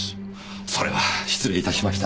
それは失礼いたしました。